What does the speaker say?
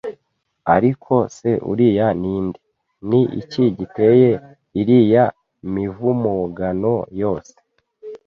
"Ariko se uriya ninde? Ni iki giteye iriya mivumugano yose